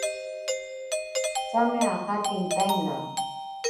Tsame ajate intaina.